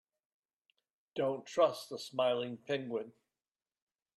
Don't trust the smiling penguin.